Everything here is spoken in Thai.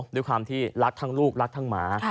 ด้วยความที่รักทั้งลูกรักทั้งหมา